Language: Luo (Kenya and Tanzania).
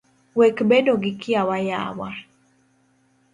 Wek bedo gi kiawa yawa